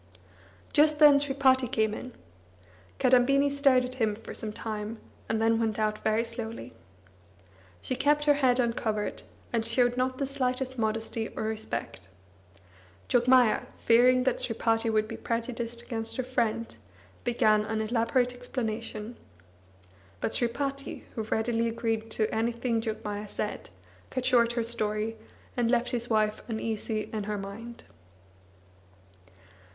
Just then Sripati came in. Kadambini stared at him for some time, and then went out very slowly. She kept her head uncovered, and showed not the slightest modesty or respect. Jogmaya, fearing that Sripati would be prejudiced against her friend, began an elaborate explanation. But Sripati, who readily agreed to anything Jogmaya said, cut short her story, and left his wife uneasy in her mind.